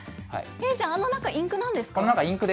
じゃあ、あの中、インクなんですか？